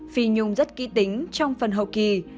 phi nhung rất kỹ tính trong phần hậu kỳ